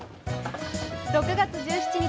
６月１７日